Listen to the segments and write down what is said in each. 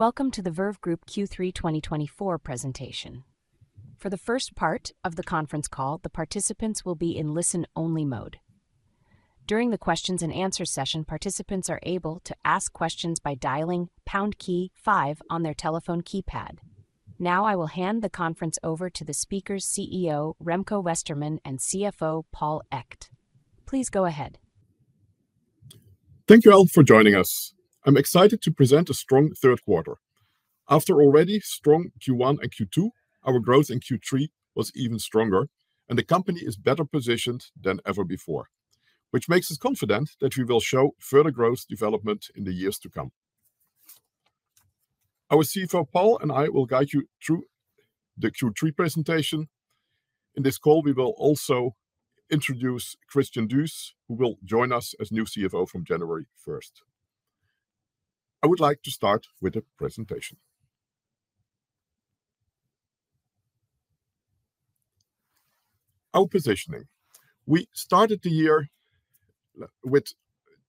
Welcome to the Verve Group Q3 2024 presentation. For the first part of the conference call, the participants will be in listen-only mode. During the Q&A session, participants are able to ask questions by dialing pound 5 on their telephone keypad. Now I will hand the conference over to the speakers, CEO Remco Westermann and CFO Paul Echt. Please go ahead. Thank you all for joining us. I'm excited to present a strong third quarter. After already strong Q1 and Q2, our growth in Q3 was even stronger, and the company is better positioned than ever before, which makes us confident that we will show further growth development in the years to come. Our CFO Paul and I will guide you through the Q3 presentation. In this call, we will also introduce Christian Duus, who will join us as new CFO from January 1st. I would like to start with a presentation. Our positioning: we started the year with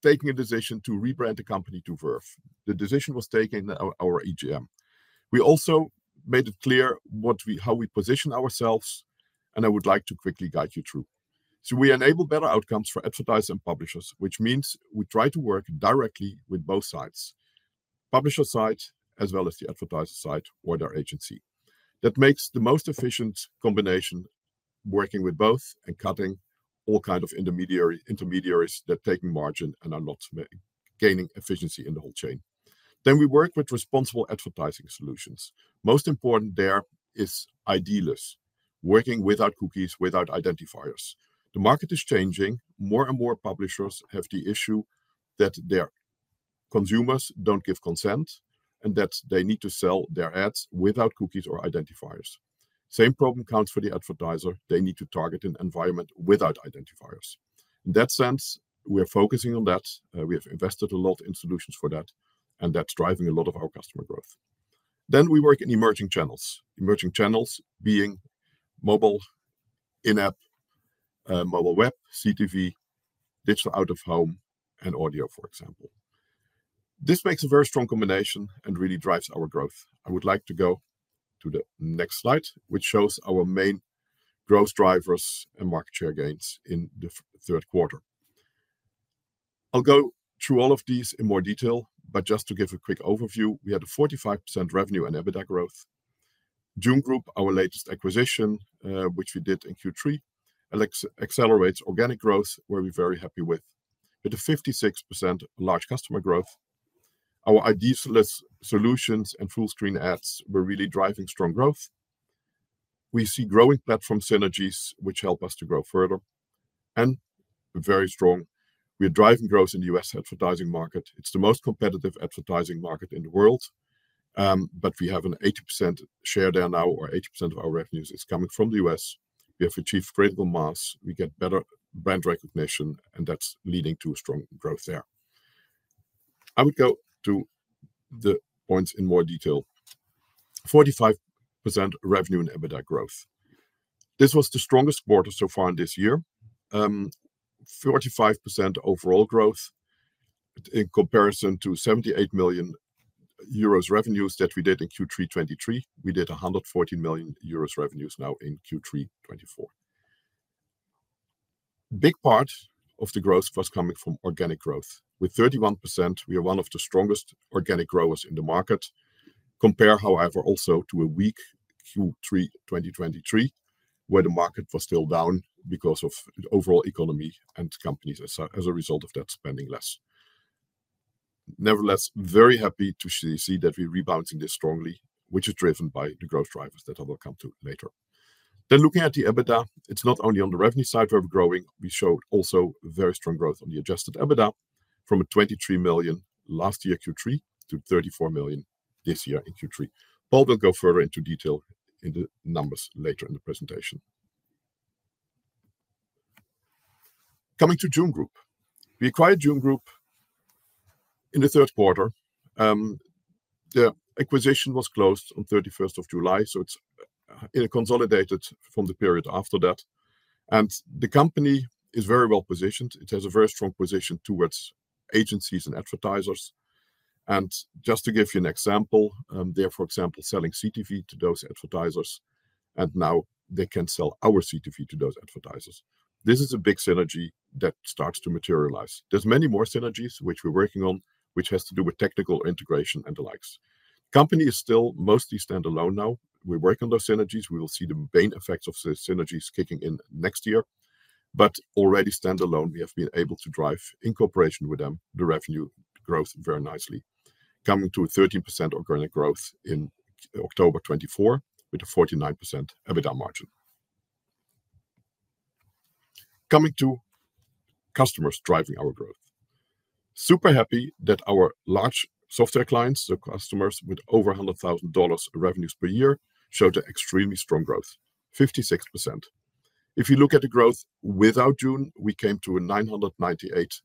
taking a decision to rebrand the company to Verve. The decision was taken in our EGM. We also made it clear how we position ourselves, and I would like to quickly guide you through. So we enable better outcomes for advertisers and publishers, which means we try to work directly with both sides: publisher side as well as the advertiser side or their agency. That makes the most efficient combination working with both and cutting all kinds of intermediaries that take margin and are not gaining efficiency in the whole chain. Then we work with responsible advertising solutions. Most important there is ID-less, working without cookies, without identifiers. The market is changing. More and more publishers have the issue that their consumers don't give consent and that they need to sell their ads without cookies or identifiers. Same problem counts for the advertiser. They need to target an environment without identifiers. In that sense, we are focusing on that. We have invested a lot in solutions for that, and that's driving a lot of our customer growth. Then we work in emerging channels, emerging channels being mobile, in-app, mobile web, CTV, digital out of home, and audio, for example. This makes a very strong combination and really drives our growth. I would like to go to the next slide, which shows our main growth drivers and market share gains in the third quarter. I'll go through all of these in more detail, but just to give a quick overview, we had a 45% revenue and EBITDA growth. Jun Group, our latest acquisition, which we did in Q3, accelerates organic growth, where we're very happy with a 56% large customer growth. Our ID-less solutions and full-screen ads were really driving strong growth. We see growing platform synergies, which help us to grow further. And very strong, we're driving growth in the U.S. advertising market. It's the most competitive advertising market in the world, but we have an 80% share there now, or 80% of our revenues is coming from the U.S. We have achieved critical mass. We get better brand recognition, and that's leading to strong growth there. I would go to the points in more detail. 45% revenue and EBITDA growth. This was the strongest quarter so far in this year. 45% overall growth in comparison to 78 million euros revenues that we did in Q3 2023. We did 114 million euros revenues now in Q3 2024. A big part of the growth was coming from organic growth. With 31%, we are one of the strongest organic growers in the market. Compare, however, also to a weak Q3 2023, where the market was still down because of the overall economy and companies as a result of that spending less. Nevertheless, very happy to see that we're rebounding this strongly, which is driven by the growth drivers that I will come to later. Then looking at the EBITDA, it's not only on the revenue side where we're growing. We showed also very strong growth on the adjusted EBITDA from 23 million last year Q3 to 34 million this year in Q3. Paul will go further into detail in the numbers later in the presentation. Coming to Jun Group. We acquired Jun Group in the third quarter. The acquisition was closed on 31st of July, so it's consolidated from the period after that. And the company is very well positioned. It has a very strong position towards agencies and advertisers. And just to give you an example, they are, for example, selling CTV to those advertisers, and now they can sell our CTV to those advertisers. This is a big synergy that starts to materialize. There's many more synergies which we're working on, which has to do with technical integration and the likes. The company is still mostly standalone now. We work on those synergies. We will see the main effects of the synergies kicking in next year. But already standalone, we have been able to drive in cooperation with them the revenue growth very nicely, coming to a 13% organic growth in October 2024 with a 49% EBITDA margin. Coming to customers driving our growth. Super happy that our large software clients, the customers with over $100,000 revenues per year, showed an extremely strong growth, 56%. If you look at the growth without Jun, we came to 998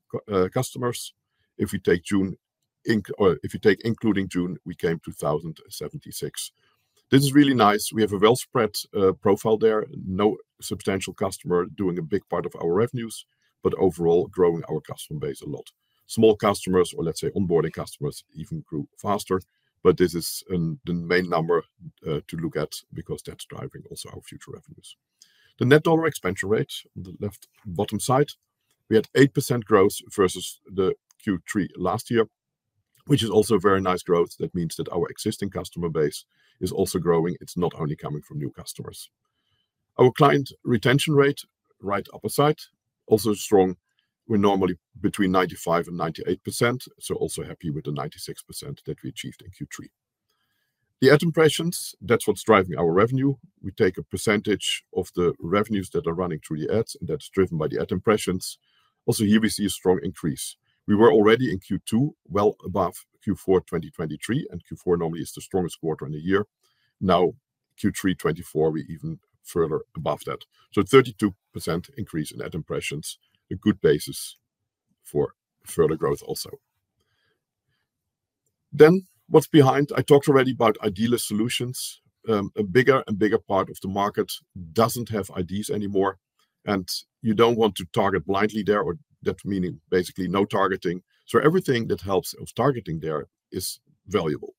customers. If we take Jun or if you take including Jun, we came to 1,076. This is really nice. We have a well-spread profile there, no substantial customer doing a big part of our revenues, but overall growing our customer base a lot. Small customers or, let's say, onboarding customers even grew faster, but this is the main number to look at because that's driving also our future revenues. The net dollar expansion rate on the left bottom side, we had 8% growth versus the Q3 last year, which is also very nice growth. That means that our existing customer base is also growing. It's not only coming from new customers. Our client retention rate, right upper side, also strong. We're normally between 95% and 98%, so also happy with the 96% that we achieved in Q3. The ad impressions, that's what's driving our revenue. We take a percentage of the revenues that are running through the ads, and that's driven by the ad impressions. Also here, we see a strong increase. We were already in Q2 well above Q4 2023, and Q4 normally is the strongest quarter in the year. Now Q3 2024, we're even further above that. So 32% increase in ad impressions, a good basis for further growth also. Then what's behind? I talked already about ID-less solutions. A bigger and bigger part of the market doesn't have IDs anymore, and you don't want to target blindly there, or that meaning basically no targeting. So everything that helps of targeting there is valuable.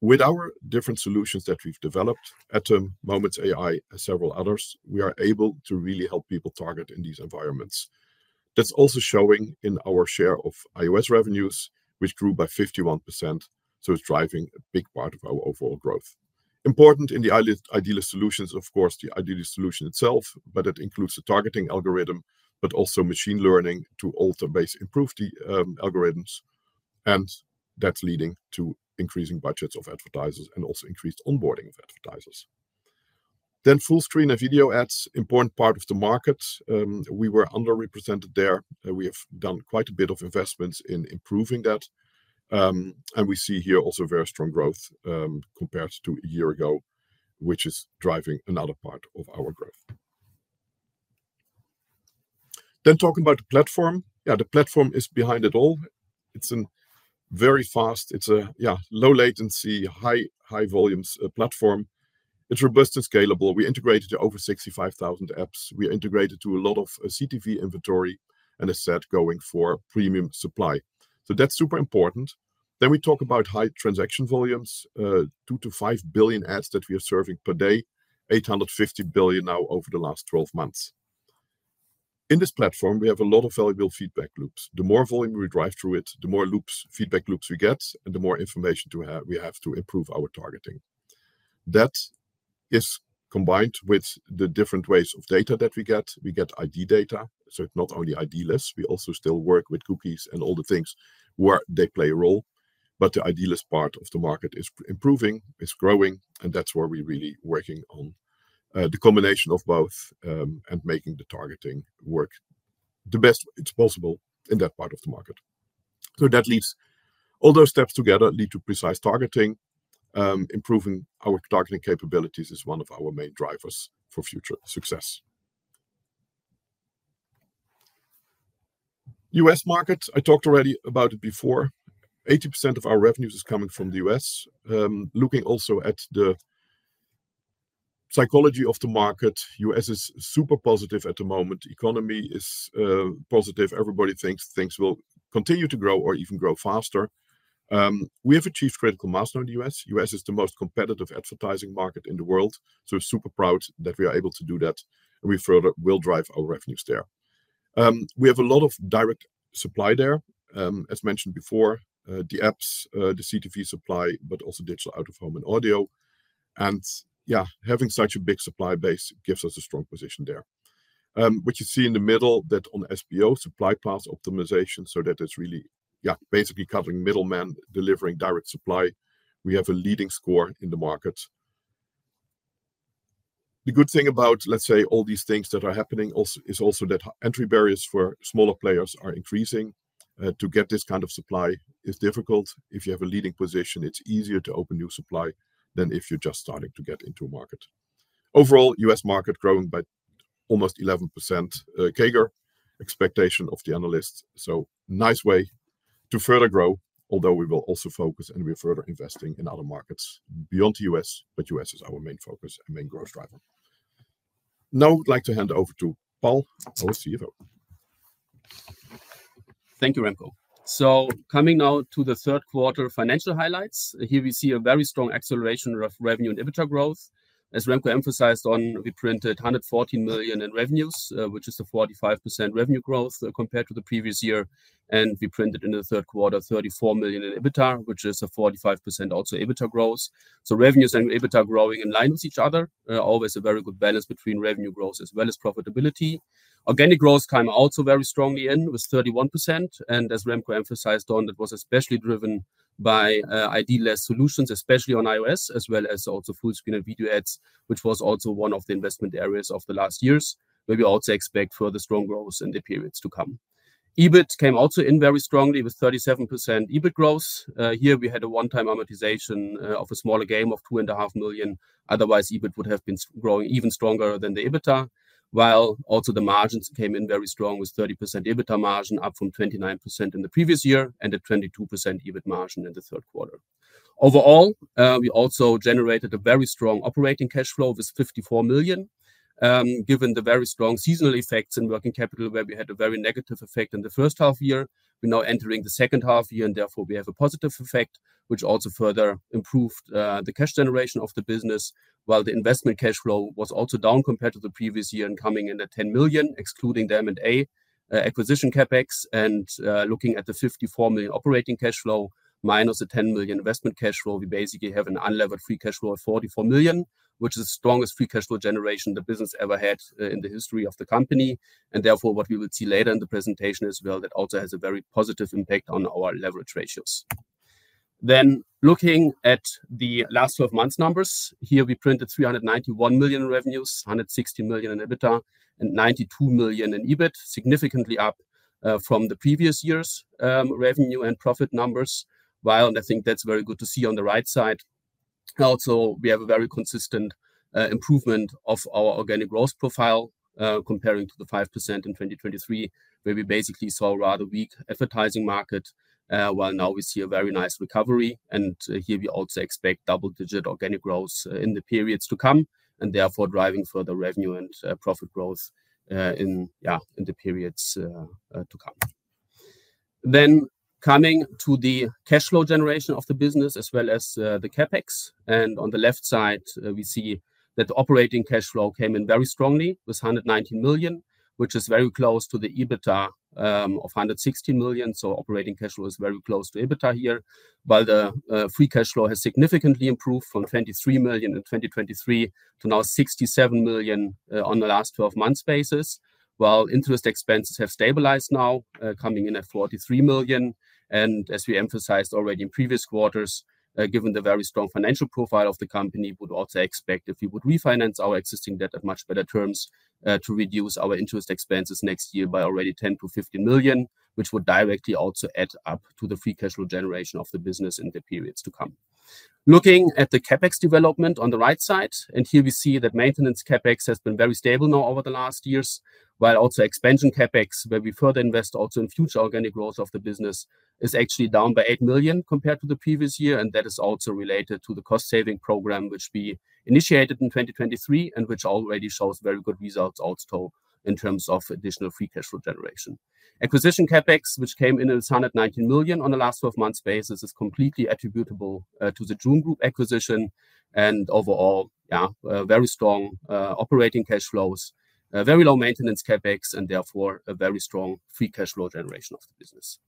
With our different solutions that we've developed, Atom, Moments.AI, several others, we are able to really help people target in these environments. That's also showing in our share of iOS revenues, which grew by 51%, so it's driving a big part of our overall growth. Important in the ID-less solutions, of course, the ID-less solution itself, but it includes the targeting algorithm, but also machine learning to alter base, improve the algorithms, and that's leading to increasing budgets of advertisers and also increased onboarding of advertisers. Then full-screen and video ads, important part of the market. We were underrepresented there. We have done quite a bit of investments in improving that, and we see here also very strong growth compared to a year ago, which is driving another part of our growth. Then talking about the platform, yeah, the platform is behind it all. It's very fast. It's a, yeah, low latency, high volumes platform. It's robust and scalable. We integrated to over 65,000 apps. We integrated to a lot of CTV inventory and a set going for premium supply. So that's super important. Then we talk about high transaction volumes, 2-5 billion ads that we are serving per day, 850 billion now over the last 12 months. In this platform, we have a lot of valuable feedback loops. The more volume we drive through it, the more feedback loops we get, and the more information we have to improve our targeting. That is combined with the different ways of data that we get. We get ID data, so it's not only ID-less. We also still work with cookies and all the things where they play a role, but the ID-less part of the market is improving, is growing, and that's where we're really working on the combination of both and making the targeting work the best it's possible in that part of the market. So that leads all those steps together to precise targeting. Improving our targeting capabilities is one of our main drivers for future success. U.S. market, I talked already about it before. 80% of our revenues is coming from the U.S. Looking also at the psychology of the market, U.S. is super positive at the moment. Economy is positive. Everybody thinks things will continue to grow or even grow faster. We have achieved critical milestones in the U.S. U.S. is the most competitive advertising market in the world, so we're super proud that we are able to do that, and we further will drive our revenues there. We have a lot of direct supply there, as mentioned before, the apps, the CTV supply, but also digital out of home and audio. Yeah, having such a big supply base gives us a strong position there. What you see in the middle, that on SPO, supply path optimization, so that it's really, yeah, basically covering middlemen, delivering direct supply. We have a leading share in the market. The good thing about, let's say, all these things that are happening is also that entry barriers for smaller players are increasing. To get this kind of supply is difficult. If you have a leading position, it's easier to open new supply than if you're just starting to get into a market. Overall, US market growing by almost 11% CAGR expectation of the analysts. So nice way to further grow, although we will also focus and we are further investing in other markets beyond the US, but US is our main focus and main growth driver. Now I'd like to hand over to Paul, our CFO. Thank you, Remco. Coming now to the third quarter financial highlights, here we see a very strong acceleration of revenue and EBITDA growth. As Remco emphasized on, we printed 114 million in revenues, which is a 45% revenue growth compared to the previous year. We printed in the third quarter 34 million in EBITDA, which is a 45% also EBITDA growth. Revenues and EBITDA growing in line with each other, always a very good balance between revenue growth as well as profitability. Organic growth came out so very strongly in with 31%. As Remco emphasized on, it was especially driven by ID-less solutions, especially on iOS, as well as also full-screen and video ads, which was also one of the investment areas of the last years, where we also expect further strong growth in the periods to come. EBIT came also in very strongly with 37% EBIT growth. Here we had a one-time amortization of a smaller game of 2.5 million. Otherwise, EBIT would have been growing even stronger than the EBITDA, while also the margins came in very strong with 30% EBITDA margin, up from 29% in the previous year and a 22% EBIT margin in the third quarter. Overall, we also generated a very strong operating cash flow with 54 million. Given the very strong seasonal effects in working capital, where we had a very negative effect in the first half year, we're now entering the second half year, and therefore we have a positive effect, which also further improved the cash generation of the business, while the investment cash flow was also down compared to the previous year and coming in at 10 million, excluding the M&A acquisition CapEx. And looking at the 54 million operating cash flow minus the 10 million investment cash flow, we basically have an unlevered free cash flow of 44 million, which is the strongest free cash flow generation the business ever had in the history of the company. And therefore, what we will see later in the presentation as well, that also has a very positive impact on our leverage ratios. Then looking at the last 12 months' numbers, here we printed 391 million in revenues, 160 million in EBITDA, and 92 million in EBIT, significantly up from the previous year's revenue and profit numbers, while I think that's very good to see on the right side. Also, we have a very consistent improvement of our organic growth profile comparing to the 5% in 2023, where we basically saw rather weak advertising market, while now we see a very nice recovery. Here we also expect double-digit organic growth in the periods to come, and therefore driving further revenue and profit growth in, yeah, in the periods to come. Coming to the cash flow generation of the business as well as the CapEx. On the left side, we see that the operating cash flow came in very strongly with 119 million, which is very close to the EBITDA of 116 million. Operating cash flow is very close to EBITDA here, while the free cash flow has significantly improved from 23 million in 2023 to now 67 million on the last 12 months' basis, while interest expenses have stabilized now, coming in at 43 million. As we emphasized already in previous quarters, given the very strong financial profile of the company, we would also expect if we would refinance our existing debt at much better terms to reduce our interest expenses next year by already 10-15 million, which would directly also add up to the free cash flow generation of the business in the periods to come. Looking at the CapEx development on the right side, and here we see that maintenance CapEx has been very stable now over the last years, while also expansion CapEx, where we further invest also in future organic growth of the business, is actually down by 8 million compared to the previous year. That is also related to the cost-saving program, which we initiated in 2023 and which already shows very good results also in terms of additional free cash flow generation. Acquisition CapEx, which came in at 119 million on the last 12 months' basis, is completely attributable to the Jun Group acquisition. Overall, yeah, very strong operating cash flows, very low maintenance CapEx, and therefore a very strong free cash flow generation of the business.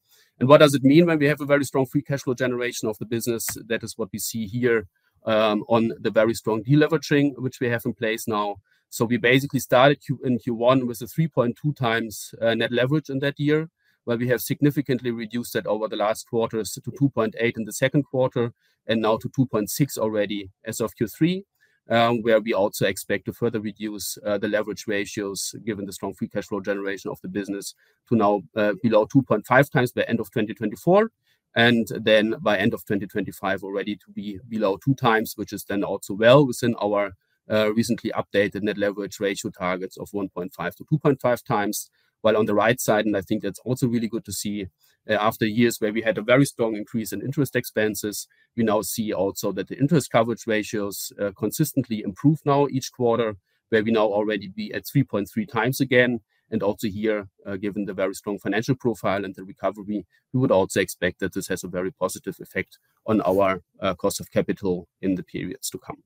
What does it mean when we have a very strong free cash flow generation of the business? That is what we see here on the very strong deleveraging, which we have in place now. We basically started in Q1 with a 3.2 times net leverage in that year, where we have significantly reduced that over the last quarters to 2.8 in the second quarter and now to 2.6 already as of Q3, where we also expect to further reduce the leverage ratios given the strong free cash flow generation of the business to now below 2.5 times by end of 2024, and then by end of 2025 already to be below two times, which is then also well within our recently updated net leverage ratio targets of 1.5-2.5 times. While on the right side, and I think that's also really good to see, after years where we had a very strong increase in interest expenses, we now see also that the interest coverage ratios consistently improve now each quarter, where we now already be at 3.3 times again. Also here, given the very strong financial profile and the recovery, we would also expect that this has a very positive effect on our cost of capital in the periods to come.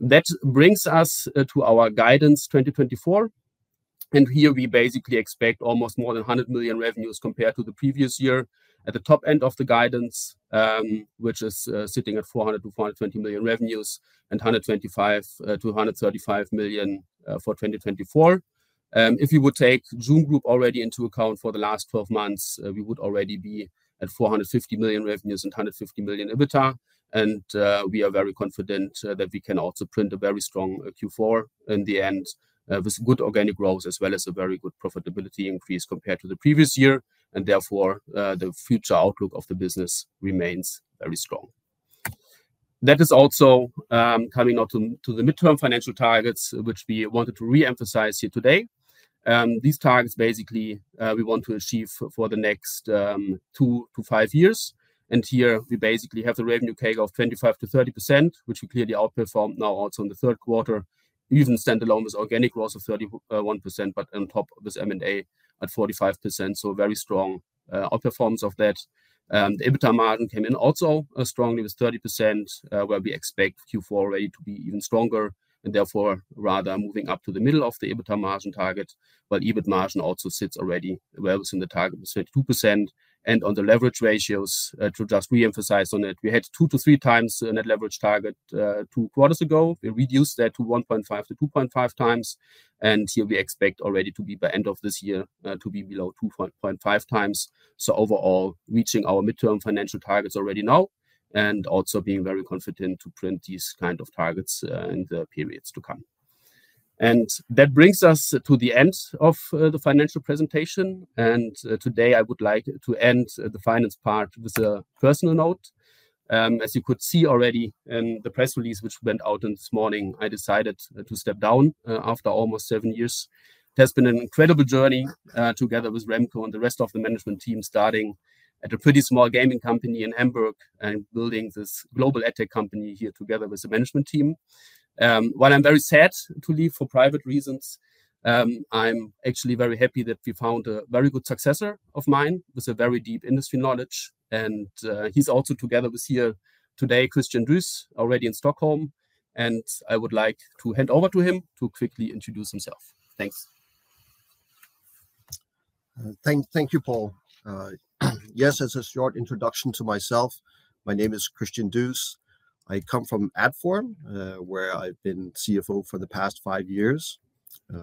That brings us to our guidance 2024. Here we basically expect almost more than 100 million revenues compared to the previous year at the top end of the guidance, which is sitting at 400-420 million revenues and 125-135 million for 2024. If we would take Jun Group already into account for the last 12 months, we would already be at 450 million revenues and 150 million EBITDA. We are very confident that we can also print a very strong Q4 in the end with good organic growth as well as a very good profitability increase compared to the previous year. Therefore, the future outlook of the business remains very strong. That is also coming out to the midterm financial targets, which we wanted to reemphasize here today. These targets basically we want to achieve for the next two to five years. And here we basically have the revenue CAGR of 25%-30%, which we clearly outperformed now also in the third quarter, even standalone with organic growth of 31%, but on top with M&A at 45%. So very strong outperformance of that. The EBITDA margin came in also strongly with 30%, where we expect Q4 already to be even stronger and therefore rather moving up to the middle of the EBITDA margin target, while EBIT margin also sits already well within the target with 32%. And on the leverage ratios, to just reemphasize on it, we had two to three times net leverage target two quarters ago. We reduced that to 1.5 to 2.5 times. Here we expect already to be by end of this year to be below 2.5 times. Overall, reaching our midterm financial targets already now and also being very confident to print these kind of targets in the periods to come. That brings us to the end of the financial presentation. Today I would like to end the finance part with a personal note. As you could see already in the press release, which went out this morning, I decided to step down after almost seven years. It has been an incredible journey together with Remco and the rest of the management team, starting at a pretty small gaming company in Hamburg and building this global AdTech company here together with the management team. While I'm very sad to leave for private reasons, I'm actually very happy that we found a very good successor of mine with a very deep industry knowledge. He's also together with me here today, Christian Duus, already in Stockholm. I would like to hand over to him to quickly introduce himself. Thanks. Thank you, Paul. Yes, as a short introduction to myself, my name is Christian Duus. I come from Adform, where I've been CFO for the past five years.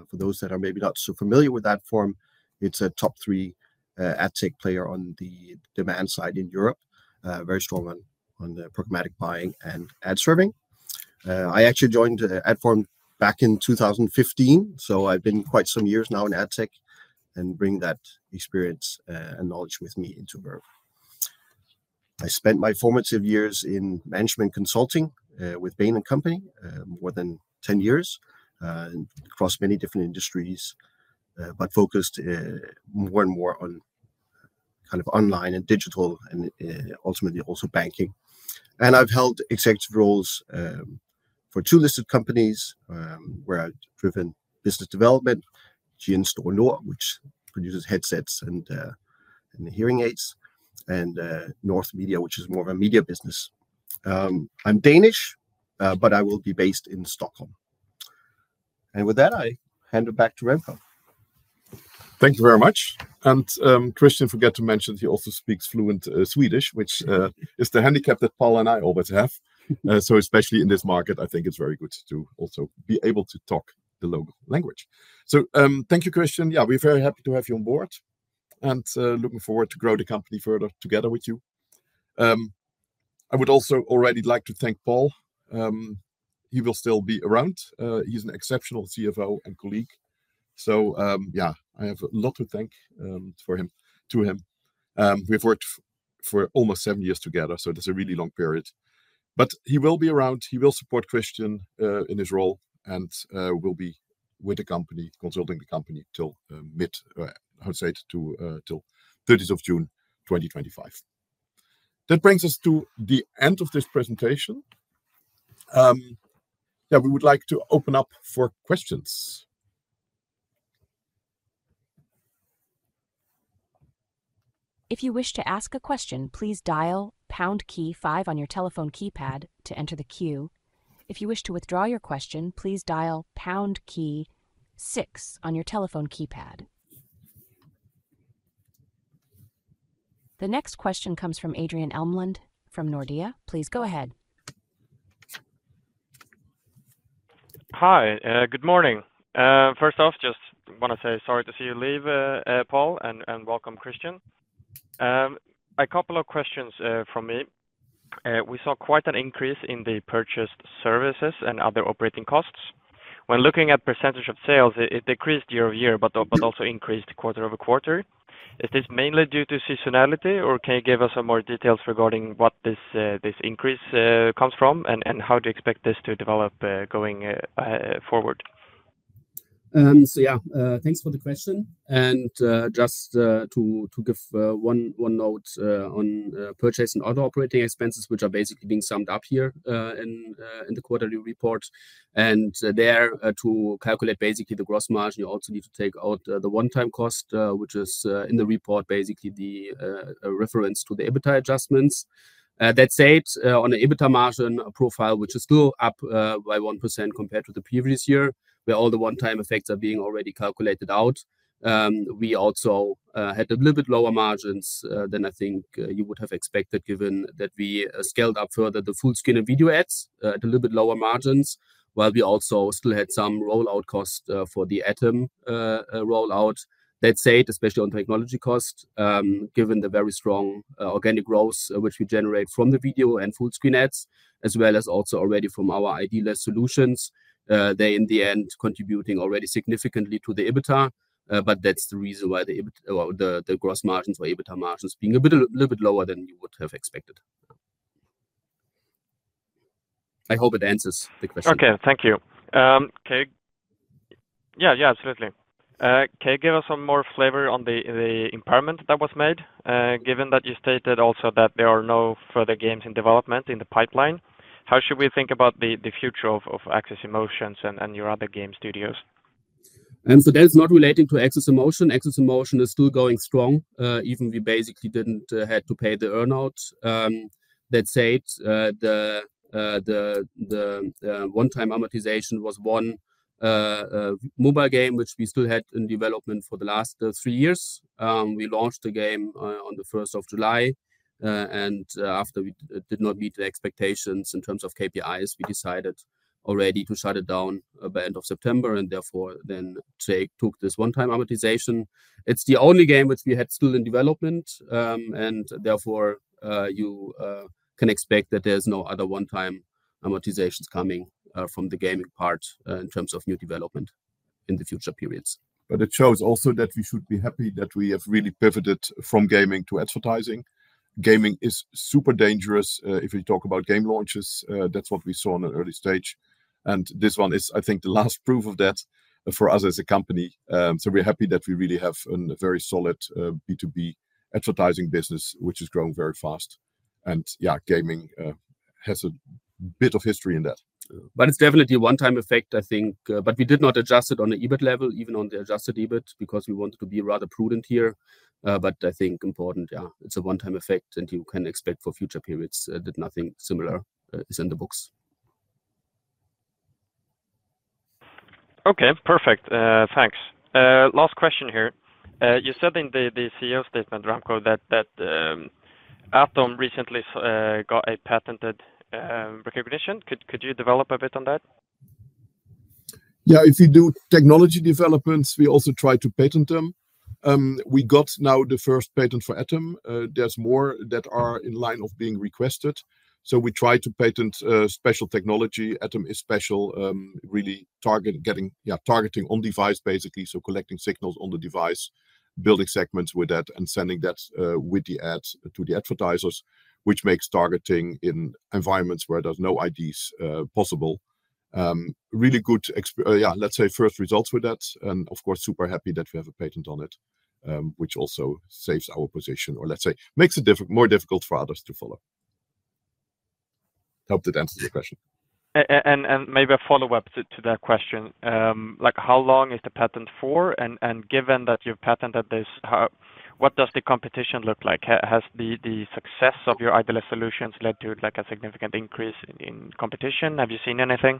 For those that are maybe not so familiar with Adform, it's a top three AdTech player on the demand side in Europe, very strong on pragmatic buying and ad serving. I actually joined Adform back in 2015, so I've been quite some years now in AdTech and bring that experience and knowledge with me into Verve. I spent my formative years in management consulting with Bain & Company for more than 10 years across many different industries, but focused more and more on kind of online and digital and ultimately also banking. And I've held executive roles for two listed companies where I've driven business development, GN Store Nord, which produces headsets and hearing aids, and North Media, which is more of a media business. I'm Danish, but I will be based in Stockholm. And with that, I hand it back to Remco. Thank you very much. And Christian forgot to mention that he also speaks fluent Swedish, which is the handicap that Paul and I always have. So especially in this market, I think it's very good to also be able to talk the local language. So thank you, Christian. Yeah, we're very happy to have you on board and looking forward to grow the company further together with you. I would also already like to thank Paul. He will still be around. He's an exceptional CFO and colleague. So yeah, I have a lot to thank for him to him. We've worked for almost seven years together, so it's a really long period. But he will be around. He will support Christian in his role and will be with the company, consulting the company till mid, I would say till 30th of Jun 2025. That brings us to the end of this presentation. Yeah, we would like to open up for questions. If you wish to ask a question, please dial pound key five on your telephone keypad to enter the queue. If you wish to withdraw your question, please dial pound key six on your telephone keypad. The next question comes from Adrian Elmlund from Nordea. Please go ahead. Hi, good morning. First off, just want to say sorry to see you leave, Paul, and welcome, Christian. A couple of questions from me. We saw quite an increase in the purchased services and other operating costs. When looking at percentage of sales, it decreased year over year, but also increased quarter over quarter. Is this mainly due to seasonality, or can you give us more details regarding what this increase comes from and how do you expect this to develop going forward? So yeah, thanks for the question. And just to give one note on purchase and other operating expenses, which are basically being summed up here in the quarterly report. To calculate basically the gross margin, you also need to take out the one-time cost, which is in the report basically the reference to the EBITDA adjustments. That said, on the EBITDA margin profile, which is still up by 1% compared to the previous year, where all the one-time effects are being already calculated out, we also had a little bit lower margins than I think you would have expected given that we scaled up further the full-screen and video ads at a little bit lower margins, while we also still had some rollout cost for the Atom rollout. That said, especially on technology cost, given the very strong organic growth which we generate from the video and full-screen ads, as well as also already from our ID-less solutions, they in the end contributing already significantly to the EBITDA. But that's the reason why the gross margins or EBITDA margins being a little bit lower than you would have expected. I hope it answers the question. Okay, thank you. Yeah, yeah, absolutely. Can you give us some more flavor on the impairment that was made, given that you stated also that there are no further games in development in the pipeline? How should we think about the future of AxesInMotion and your other game studios? And so that's not relating to AxesInMotion. AxesInMotion is still going strong, even we basically didn't have to pay the earnout. That said, the one-time amortization was one mobile game, which we still had in development for the last three years. We launched the game on the 1st of July, and after we did not meet the expectations in terms of KPIs, we decided already to shut it down by end of September and therefore then took this one-time amortization. It's the only game which we had still in development, and therefore you can expect that there's no other one-time amortizations coming from the gaming part in terms of new development in the future periods, but it shows also that we should be happy that we have really pivoted from gaming to advertising. Gaming is super dangerous if we talk about game launches. That's what we saw in an early stage, and this one is, I think, the last proof of that for us as a company, so we're happy that we really have a very solid B2B advertising business, which is growing very fast. Yeah, gaming has a bit of history in that. But it's definitely a one-time effect, I think, but we did not adjust it on the EBIT level, even on the adjusted EBIT, because we wanted to be rather prudent here. But I think it's important, yeah, it's a one-time effect and you can expect for future periods that nothing similar is in the books. Okay, perfect. Thanks. Last question here. You said in the CEO statement, Remco, that Atom recently got a patented recognition. Could you develop a bit on that? Yeah, if you do technology developments, we also try to patent them. We got now the first patent for Atom. There's more that are in line of being requested. So we try to patent special technology. Atom is special, really targeting on-device basically, so collecting signals on the device, building segments with that, and sending that with the ads to the advertisers, which makes targeting in environments where there's no IDs possible. Really good, yeah, let's say first results with that. And of course, super happy that we have a patent on it, which also saves our position, or let's say makes it more difficult for others to follow. Hope that answers the question. And maybe a follow-up to that question. How long is the patent for? And given that you've patented this, what does the competition look like? Has the success of your ID-less solutions led to a significant increase in competition? Have you seen anything?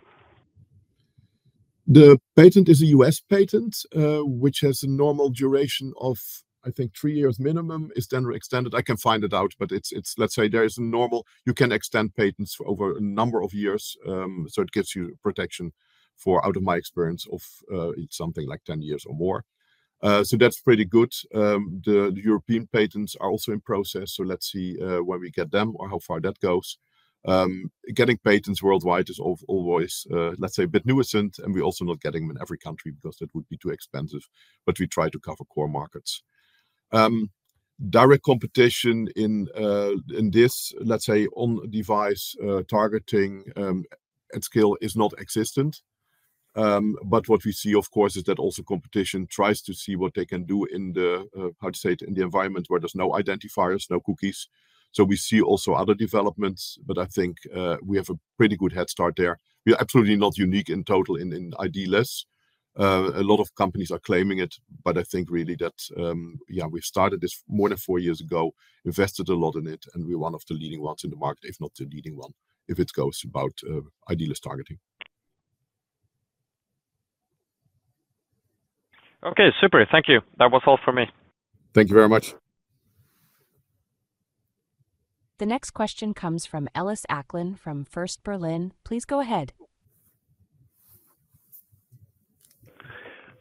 The patent is a U.S. patent, which has a normal duration of, I think, three years minimum. It's then extended. I can find it out, but let's say there is a normal you can extend patents over a number of years. So it gives you protection for, out of my experience, of something like 10 years or more. So that's pretty good. The European patents are also in process. So let's see when we get them or how far that goes. Getting patents worldwide is always, let's say, a bit nuisance, and we're also not getting them in every country because that would be too expensive. But we try to cover core markets. Direct competition in this, let's say, on-device targeting at scale is not existent. But what we see, of course, is that also competition tries to see what they can do in the, how to say it, in the environment where there's no identifiers, no cookies. So we see also other developments, but I think we have a pretty good head start there. We're absolutely not unique in total in ID-less. A lot of companies are claiming it, but I think really that, yeah, we've started this more than four years ago, invested a lot in it, and we're one of the leading ones in the market, if not the leading one, if it goes about ID-less targeting. Okay, super. Thank you. That was all for me. Thank you very much. The next question comes from Ellis Acklin from First Berlin. Please go ahead.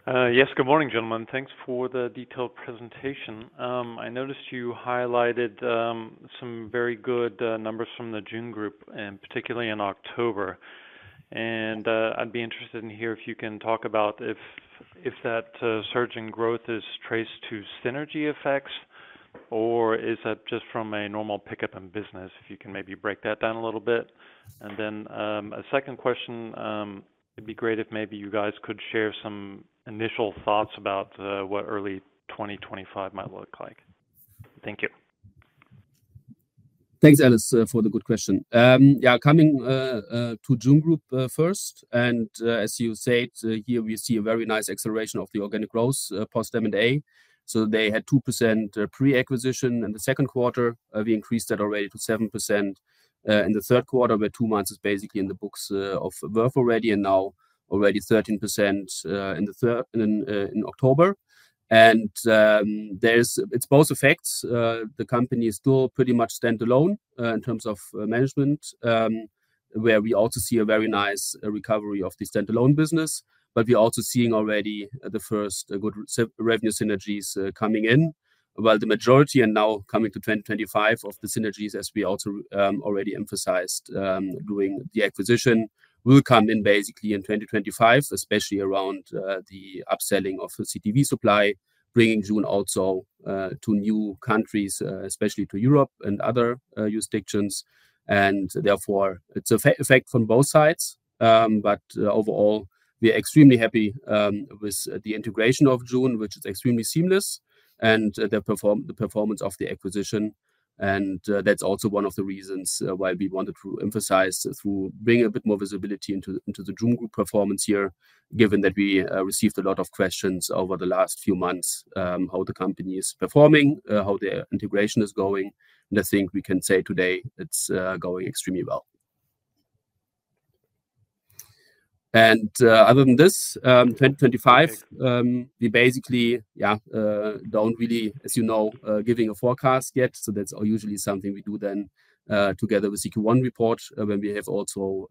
Yes, good morning, gentlemen. Thanks for the detailed presentation. I noticed you highlighted some very good numbers from the Jun Group, and particularly in October. I'd be interested in here if you can talk about if that surge in growth is traced to synergy effects, or is that just from a normal pickup in business, if you can maybe break that down a little bit. And then a second question, it'd be great if maybe you guys could share some initial thoughts about what early 2025 might look like. Thank you. Thanks, Ellis, for the good question. Yeah, coming to Jun Group first, and as you said, here we see a very nice acceleration of the organic growth post-M&A. So they had 2% pre-acquisition in the second quarter. We increased that already to 7% in the third quarter, where two months is basically in the books of Verve already, and now already 13% in October. And it's both effects. The company is still pretty much standalone in terms of management, where we also see a very nice recovery of the standalone business, but we're also seeing already the first good revenue synergies coming in, while the majority and now coming to 2025 of the synergies, as we also already emphasized during the acquisition, will come in basically in 2025, especially around the upselling of CTV supply, bringing Jun also to new countries, especially to Europe and other jurisdictions, and therefore, it's a fact from both sides, but overall, we're extremely happy with the integration of Jun, which is extremely seamless, and the performance of the acquisition. That's also one of the reasons why we wanted to emphasize through bringing a bit more visibility into the Jun Group performance here, given that we received a lot of questions over the last few months, how the company is performing, how the integration is going. I think we can say today it's going extremely well. Other than this, 2025, we basically, yeah, don't really, as you know, giving a forecast yet. That's usually something we do then together with Q1 report, when we have also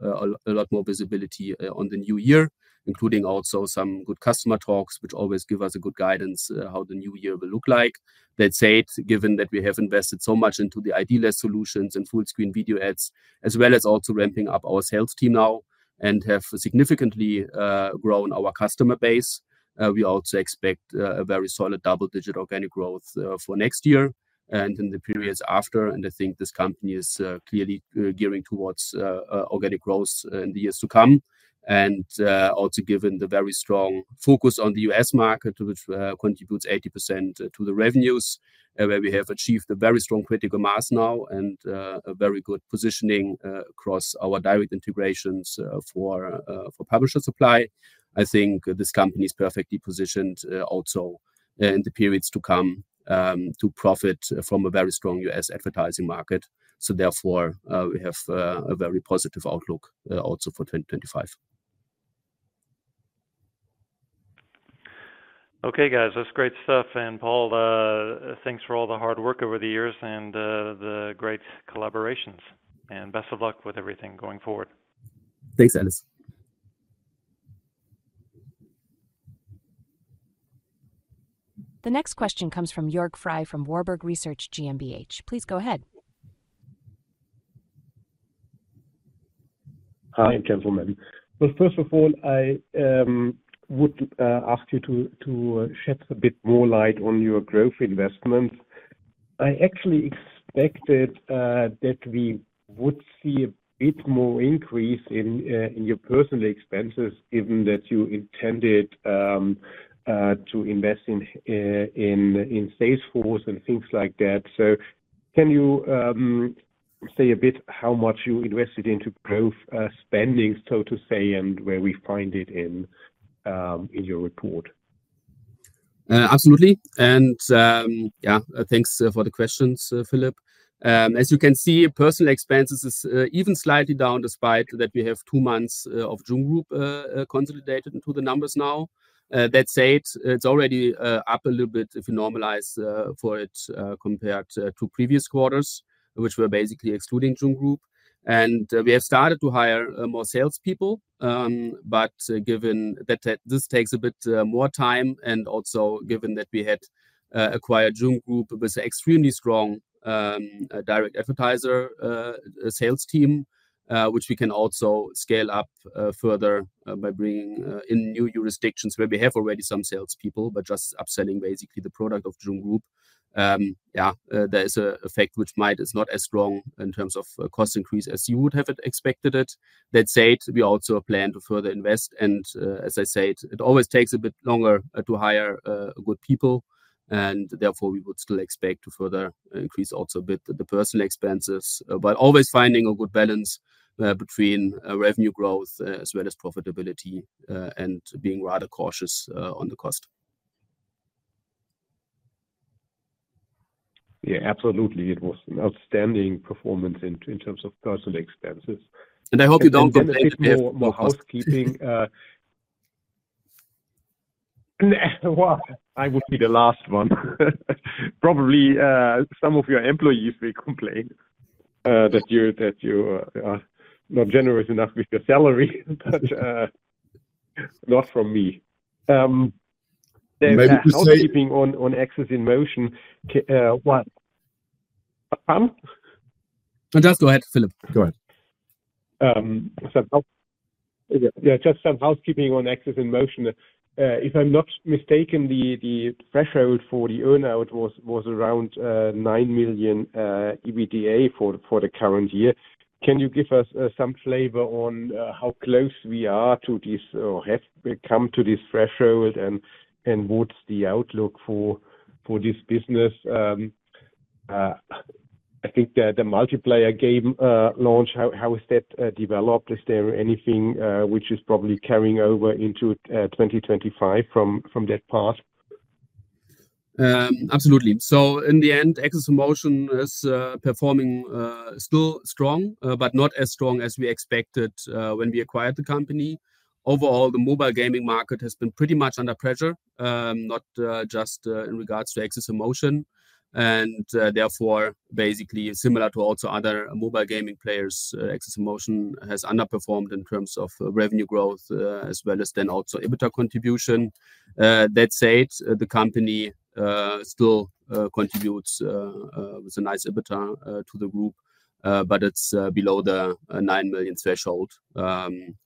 a lot more visibility on the new year, including also some good customer talks, which always give us a good guidance how the new year will look like. That said, given that we have invested so much into the ID-less solutions and full-screen video ads, as well as also ramping up our sales team now and have significantly grown our customer base, we also expect a very solid double-digit organic growth for next year and in the periods after. And I think this company is clearly gearing towards organic growth in the years to come. And also given the very strong focus on the U.S. market, which contributes 80% to the revenues, where we have achieved a very strong critical mass now and a very good positioning across our direct integrations for publisher supply, I think this company is perfectly positioned also in the periods to come to profit from a very strong U.S. advertising market. So therefore, we have a very positive outlook also for 2025. Okay, guys, that's great stuff. And Paul, thanks for all the hard work over the years and the great collaborations. And best of luck with everything going forward. Thanks, Ellis. The next question comes from Jörg Frey from Warburg Research GmbH. Please go ahead. Hi, gentlemen. Well, first of all, I would ask you to shed a bit more light on your growth investments. I actually expected that we would see a bit more increase in your personnel expenses, given that you intended to invest in Salesforce and things like that. So can you say a bit how much you invested into growth spending, so to say, and where we find it in your report? Absolutely. And yeah, thanks for the question, Jörg. As you can see, personnel expenses is even slightly down despite that we have two months of Jun Group consolidated into the numbers now. That said, it's already up a little bit if you normalize for it compared to previous quarters, which were basically excluding Jun Group. We have started to hire more salespeople, but given that this takes a bit more time and also given that we had acquired Jun Group with an extremely strong direct advertiser sales team, which we can also scale up further by bringing in new jurisdictions where we have already some salespeople, but just upselling basically the product of Jun Group. Yeah, there is an effect which might not be as strong in terms of cost increase as you would have expected it. That said, we also plan to further invest. As I said, it always takes a bit longer to hire good people. Therefore, we would still expect to further increase also a bit the personnel expenses, while always finding a good balance between revenue growth as well as profitability and being rather cautious on the cost. Yeah, absolutely. It was an outstanding performance in terms of personnel expenses. I hope you don't complain too much about housekeeping. I would be the last one. Probably some of your employees will complain that you are not generous enough with your salary, but not from me. Maybe housekeeping on Axess in Motion. What? I'm done? Just go ahead, Philip. Go ahead. Yeah, just housekeeping on Axess in Motion. If I'm not mistaken, the threshold for the earnout was around 9 million EBITDA for the current year. Can you give us some flavor on how close we are to this or have come to this threshold and what's the outlook for this business? I think the multiplayer game launch, how has that developed? Is there anything which is probably carrying over into 2025 from that path? Absolutely. So in the end, Axess in Motion is performing still strong, but not as strong as we expected when we acquired the company. Overall, the mobile gaming market has been pretty much under pressure, not just in regards to Axess in Motion. And therefore, basically similar to also other mobile gaming players, Axess in Motion has underperformed in terms of revenue growth as well as then also EBITDA contribution. That said, the company still contributes with a nice EBITDA to the group, but it's below the nine million threshold.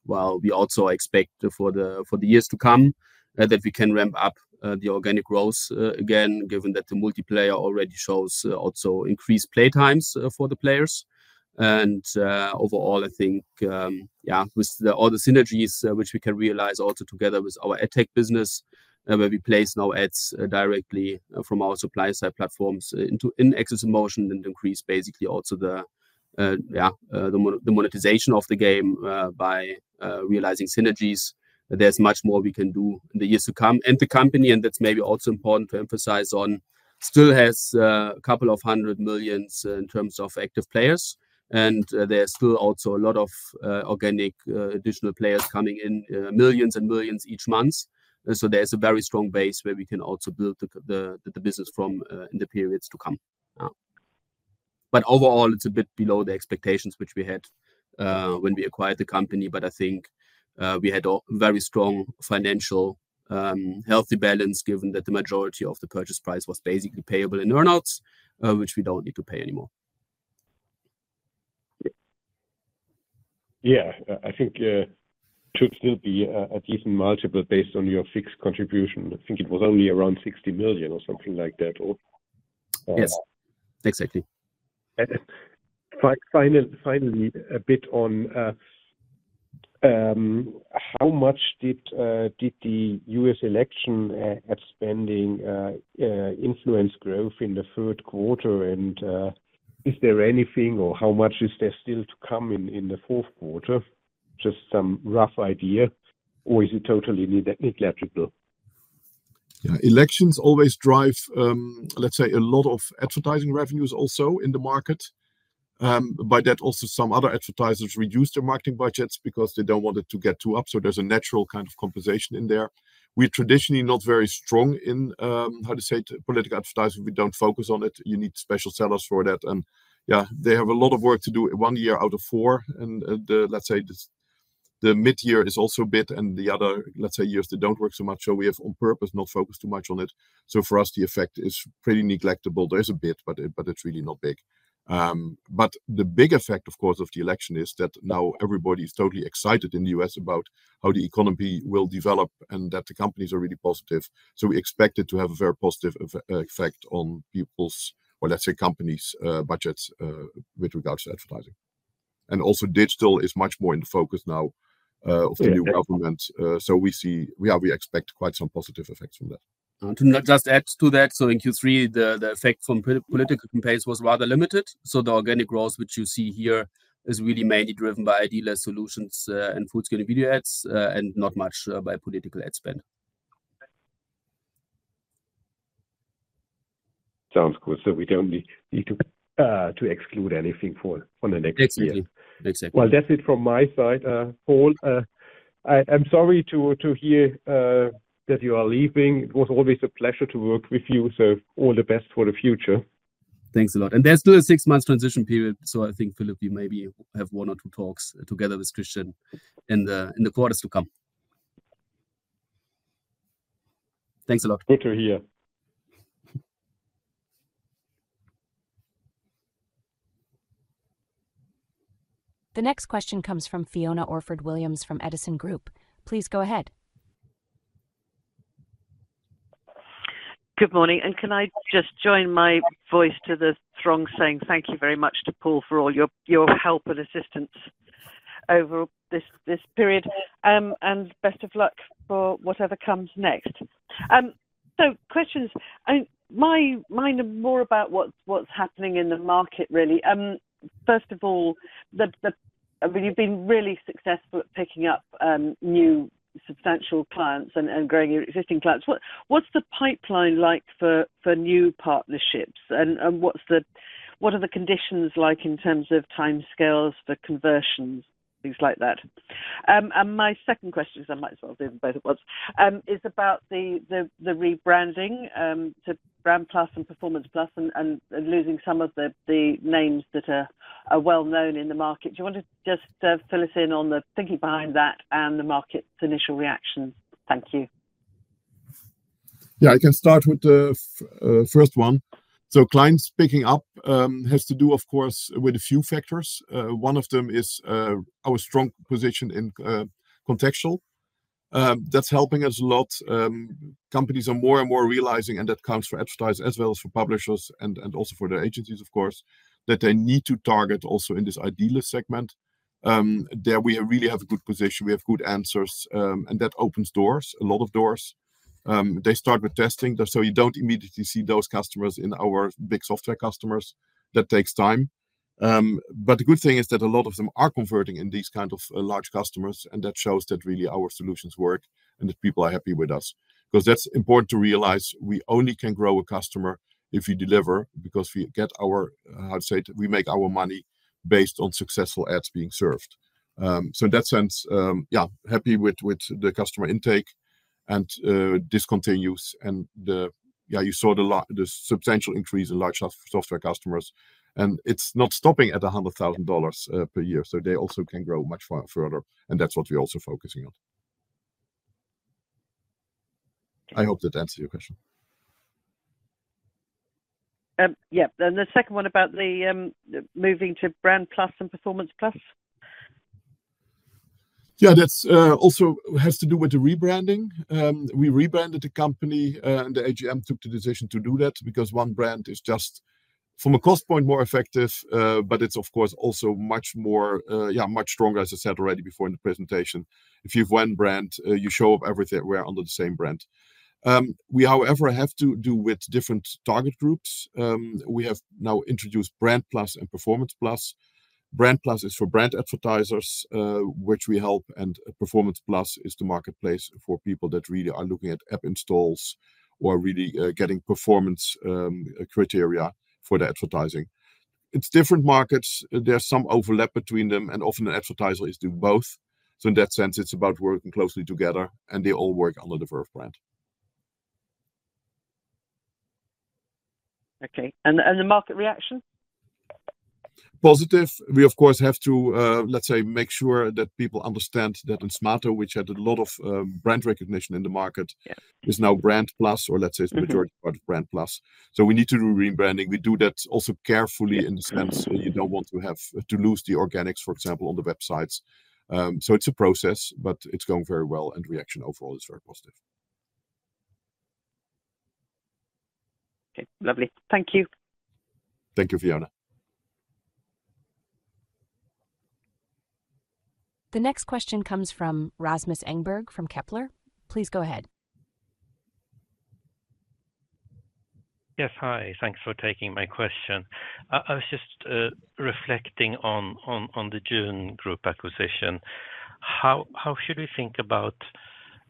While we also expect for the years to come that we can ramp up the organic growth again, given that the multiplayer already shows also increased playtimes for the players. Overall, I think, yeah, with all the synergies which we can realize also together with our AdTech business, where we place now ads directly from our supply-side platforms in Axess in Motion and increase basically also the monetization of the game by realizing synergies. There's much more we can do in the years to come. The company, and that's maybe also important to emphasize on, still has a couple of hundred millions in terms of active players. There's still also a lot of organic additional players coming in, millions and millions each month. So there's a very strong base where we can also build the business from in the periods to come. Overall, it's a bit below the expectations which we had when we acquired the company. But I think we had a very strong financially healthy balance, given that the majority of the purchase price was basically payable in earnouts, which we don't need to pay anymore. Yeah, I think it should still be at least multiple based on your fixed contribution. I think it was only around 60 million or something like that. Yes, exactly. Finally, a bit on how much did the U.S. election ad spending influence growth in the third quarter? And is there anything, or how much is there still to come in the fourth quarter? Just some rough idea, or is it totally negligible? Yeah, elections always drive, let's say, a lot of advertising revenues also in the market. By that, also some other advertisers reduce their marketing budgets because they don't want it to get too up. So there's a natural kind of compensation in there. We're traditionally not very strong in, how to say, political advertising. We don't focus on it. You need special sellers for that. And yeah, they have a lot of work to do one year out of four. And let's say the midterms are also a bit, and the other, let's say, years they don't work so much. So we have on purpose not focused too much on it. So for us, the effect is pretty negligible. There's a bit, but it's really not big. But the big effect, of course, of the election is that now everybody is totally excited in the U.S. about how the economy will develop and that the companies are really positive. So we expect it to have a very positive effect on people's, or let's say, companies' budgets with regards to advertising. And also digital is much more in focus now of the new government. So we see, yeah, we expect quite some positive effects from that. To just add to that, so in Q3, the effect from political campaigns was rather limited. So the organic growth, which you see here, is really mainly driven by ID-less solutions and full-screen video ads and not much by political ad spend. Sounds good. So we don't need to exclude anything for the next year. Exactly. Well, that's it from my side, Paul. I'm sorry to hear that you are leaving. It was always a pleasure to work with you. So all the best for the future. Thanks a lot. And there's still a six-month transition period. So I think, Philip, we maybe have one or two talks together with Christian in the quarters to come. Thanks a lot. Good to hear. The next question comes from Fiona Orford-Williams from Edison Group. Please go ahead. Good morning. And can I just join my voice to those strongly saying thank you very much to Paul for all your help and assistance over this period. And best of luck for whatever comes next. So questions. My questions are more about what's happening in the market, really. First of all, you've been really successful at picking up new substantial clients and growing your existing clients. What's the pipeline like for new partnerships? And what are the conditions like in terms of time scales for conversions, things like that? And my second question, which I might as well do both at once, is about the rebranding to Brand Plus and Performance Plus and losing some of the names that are well-known in the market. Do you want to just fill us in on the thinking behind that and the market's initial reactions? Thank you. Yeah, I can start with the first one. So clients picking up has to do, of course, with a few factors. One of them is our strong position in contextual. That's helping us a lot. Companies are more and more realizing, and that counts for advertisers as well as for publishers and also for their agencies, of course, that they need to target also in this ID-less segment. There we really have a good position. We have good answers. And that opens doors, a lot of doors. They start with testing. So you don't immediately see those customers in our big software customers. That takes time. But the good thing is that a lot of them are converting in these kinds of large customers. And that shows that really our solutions work and that people are happy with us. Because that's important to realize. We only can grow a customer if we deliver because we get our, how to say, we make our money based on successful ads being served. So in that sense, yeah, happy with the customer intake and discontinuations. And yeah, you saw the substantial increase in large software customers. And it's not stopping at $100,000 per year. So they also can grow much further. And that's what we're also focusing on. I hope that answers your question. Yeah. And the second one about the moving to Brand Plus and Performance Plus? Yeah, that also has to do with the rebranding. We rebranded the company, and the AGM took the decision to do that because one brand is just, from a cost point, more effective, but it's, of course, also much more, yeah, much stronger, as I said already before in the presentation. If you have one brand, you show up everywhere under the same brand. We, however, have to do with different target groups. We have now introduced Brand Plus and Performance Plus. Brand Plus is for brand advertisers, which we help, and Performance Plus is the marketplace for people that really are looking at app installs or really getting performance criteria for the advertising. It's different markets. There's some overlap between them, and often an advertiser is doing both. So in that sense, it's about working closely together, and they all work under the Verve brand. Okay. And the market reaction? Positive. We, of course, have to, let's say, make sure that people understand that Smaato, which had a lot of brand recognition in the market, is now Brand Plus, or let's say it's the majority part of Brand Plus. So we need to do rebranding. We do that also carefully in the sense that you don't want to lose the organics, for example, on the websites. So it's a process, but it's going very well, and reaction overall is very positive. Okay. Lovely. Thank you. Thank you, Fiona. The next question comes from Rasmus Engberg from Kepler.Please go ahead. Yes. Hi. Thanks for taking my question. I was just reflecting on the Jun Group acquisition. How should we think about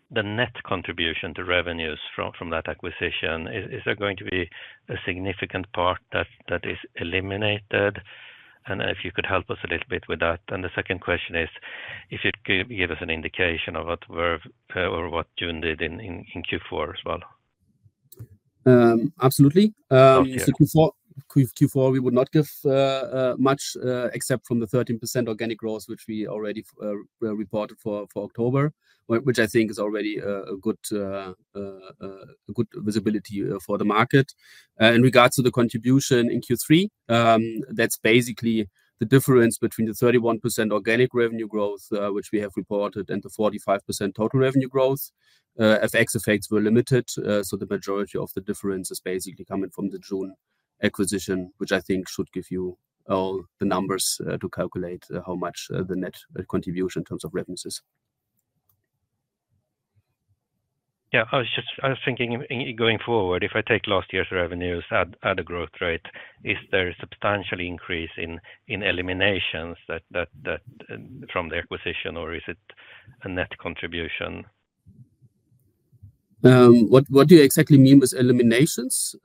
the net contribution to revenues from that acquisition? Is there going to be a significant part that is eliminated? And if you could help us a little bit with that. And the second question is, if you could give us an indication of what Verve or what Jun did in Q4 as well. Absolutely. Q4, we would not give much except from the 13% organic growth, which we already reported for October, which I think is already a good visibility for the market. In regards to the contribution in Q3, that's basically the difference between the 31% organic revenue growth, which we have reported, and the 45% total revenue growth. FX effects were limited. The majority of the difference is basically coming from the Jun acquisition, which I think should give you all the numbers to calculate how much the net contribution in terms of revenues is. Yeah. I was just thinking going forward, if I take last year's revenues at a growth rate, is there a substantial increase in eliminations from the acquisition, or is it a net contribution? What do you exactly mean with eliminations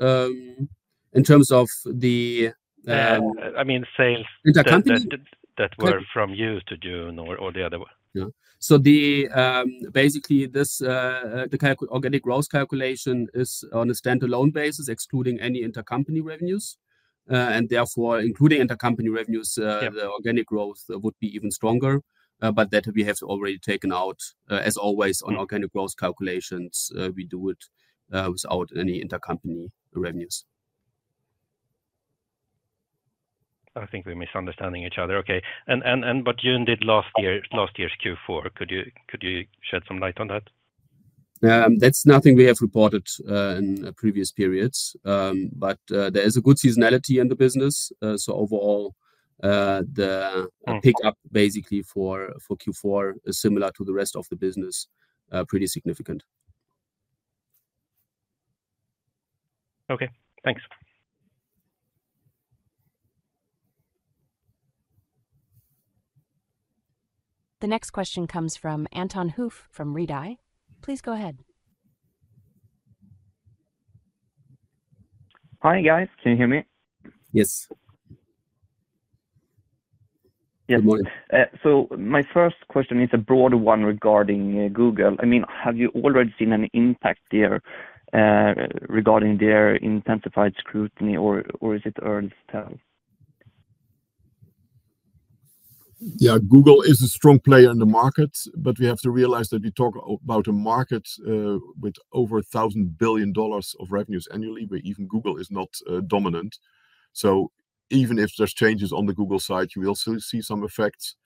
in terms of the? I mean, sales. Intercompany? That were from Jun to Jun or the other one. So basically, the organic growth calculation is on a standalone basis, excluding any intercompany revenues. And therefore, including intercompany revenues, the organic growth would be even stronger. But that we have already taken out, as always. On organic growth calculations, we do it without any intercompany revenues. I think we're misunderstanding each other. Okay. But Jun did last year's Q4. Could you shed some light on that? That's nothing we have reported in previous periods. But there is a good seasonality in the business. So overall, the pickup basically for Q4 is similar to the rest of the business, pretty significant. Okay. Thanks. The next question comes from Anton Hoof from Redeye. Please go ahead. Hi, guys. Can you hear me? Yes. Good morning. So my first question is a broader one regarding Google. I mean, have you already seen an impact there regarding their intensified scrutiny, or is it early steps? Yeah. Google is a strong player in the market, but we have to realize that we talk about a market with over $1,000 billion of revenues annually, where even Google is not dominant. Even if there's changes on the Google side, you will still see some effects.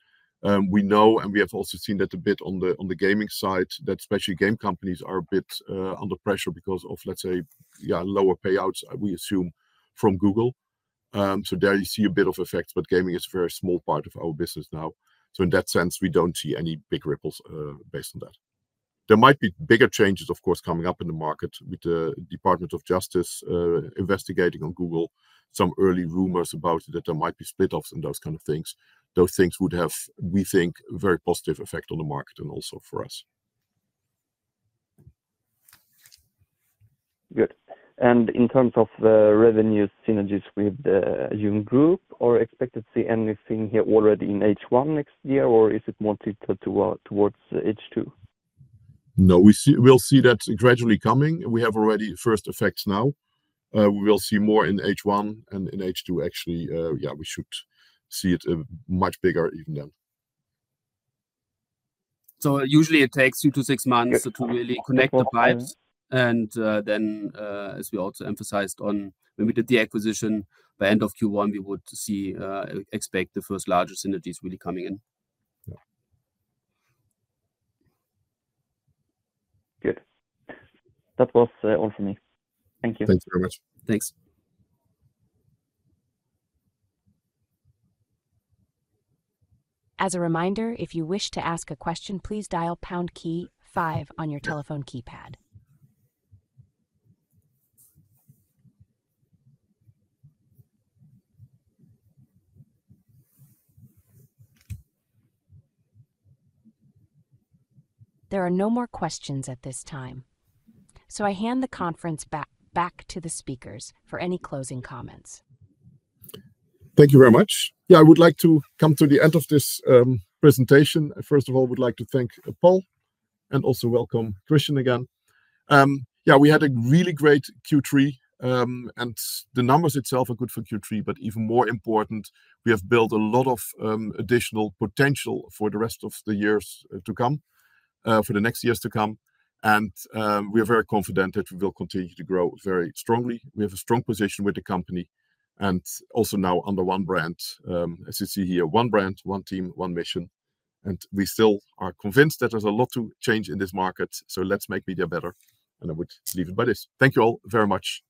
We know, and we have also seen that a bit on the gaming side, that especially game companies are a bit under pressure because of, let's say, yeah, lower payouts, we assume, from Google. So there you see a bit of effect, but gaming is a very small part of our business now. In that sense, we don't see any big ripples based on that. There might be bigger changes, of course, coming up in the market with the Department of Justice investigating on Google, some early rumors about that there might be split-offs and those kind of things. Those things would have, we think, a very positive effect on the market and also for us. Good. And in terms of the revenue synergies with the Jun Group, or expect to see anything here already in H1 next year, or is it more towards H2? No, we'll see that gradually coming. We have already first effects now. We will see more in H1 and in H2, actually. Yeah, we should see it much bigger even then. So usually, it takes two to six months to really connect the pipes. And then, as we also emphasized on when we did the acquisition, by end of Q1, we would expect the first larger synergies really coming in. Good. That was all for me. Thank you. Thanks very much. Thanks. As a reminder, if you wish to ask a question, please dial Pound Key 5 on your telephone keypad. There are no more questions at this time. So I hand the conference back to the speakers for any closing comments. Thank you very much. Yeah, I would like to come to the end of this presentation. First of all, I would like to thank Paul and also welcome Christian again. Yeah, we had a really great Q3, and the numbers itself are good for Q3, but even more important, we have built a lot of additional potential for the rest of the years to come, for the next years to come. We are very confident that we will continue to grow very strongly. We have a strong position with the company and also now under one brand, as you see here, one brand, one team, one mission. And we still are convinced that there's a lot to change in this market. So let's make media better. And I would leave it by this. Thank you all very much.